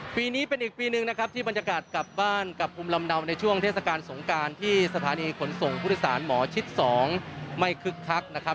ปีนี้เป็นอีกปีหนึ่งนะครับที่บรรยากาศกลับบ้านกับภูมิลำเนาในช่วงเทศกาลสงการที่สถานีขนส่งผู้โดยสารหมอชิด๒ไม่คึกคักนะครับ